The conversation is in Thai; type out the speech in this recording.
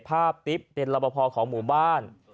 เหตุภาพติ๊บเป็นระบบภอร์ของหมู่บ้าน